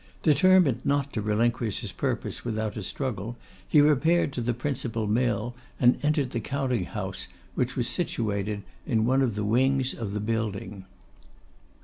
Determined not to relinquish his purpose without a struggle, he repaired to the principal mill, and entered the counting house, which was situated in one of the wings of the building.